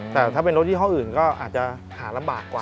แต่ถ้าเป็นรถยี่ห้ออื่นก็อาจจะหาลำบากกว่า